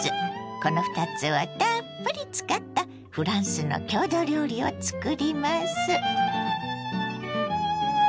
この２つをたっぷり使ったフランスの郷土料理を作ります。